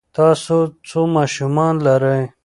تاسو څو ماشومان لرئ؟